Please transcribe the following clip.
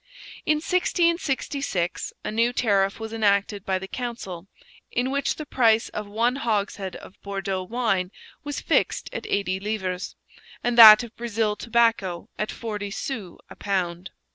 In 1666 a new tariff was enacted by the council, in which the price of one hogshead of Bordeaux wine was fixed at eighty livres, and that of Brazil tobacco at forty sous a pound.